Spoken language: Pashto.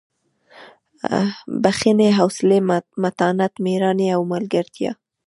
بښنې حوصلې متانت مېړانې او ملګرتیا.